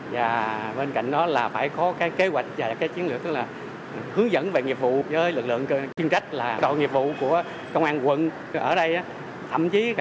và bên cạnh đó là phải có các kế hoạch và các chiến lược